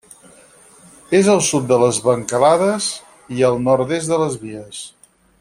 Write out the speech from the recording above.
És al sud de les Bancalades i al nord-est de les Vies.